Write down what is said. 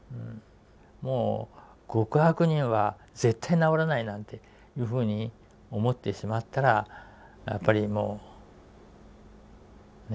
もう極悪人は絶対なおらないなんていうふうに思ってしまったらやっぱりもうねえ。